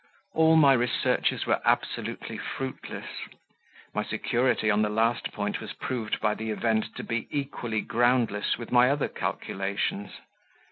All my researches were absolutely fruitless; my security on the last point was proved by the event to be equally groundless with my other calculations.